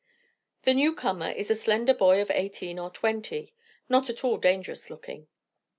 The new comer is a slender boy of eighteen or twenty, not at all dangerous looking.